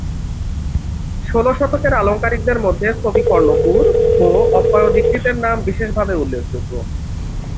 ষোল শতকের আলঙ্কারিকদের মধ্যে কবিকর্ণপূর ও অপ্পয়দীক্ষিতের নাম বিশেষভাবে উল্লেখযোগ্য।